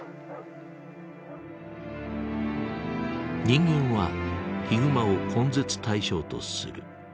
人間はヒグマを根絶対象とする。